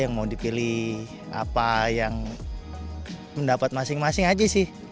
yang mau dipilih apa yang mendapat masing masing aja sih